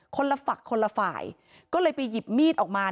ละฝักคนละฝ่ายก็เลยไปหยิบมีดออกมา